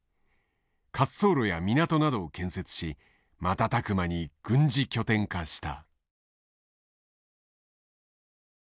滑走路や港などを建設し瞬く間に軍事拠点化した。